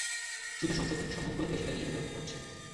শুধু সংসদ নয়, সমগ্র দেশ এটা নিয়ে বিতর্ক করছে।